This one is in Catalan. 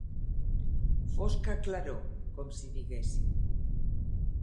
Fosca claror, com si diguéssim.